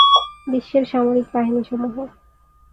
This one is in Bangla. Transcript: বিশ্বের সামরিক বাহিনী সমূহ